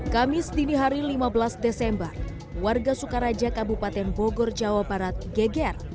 kamis dini hari lima belas desember warga sukaraja kabupaten bogor jawa barat geger